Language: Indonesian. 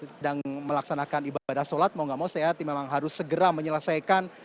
sedang melaksanakan ibadah sholat mau gak mau sehat memang harus segera menyelesaikan